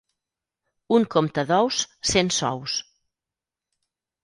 Un compte d'ous, cent sous.